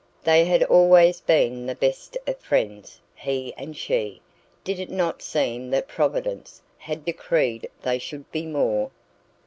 They had always been the best of friends, he and she; did it not seem that Providence had decreed they should be more?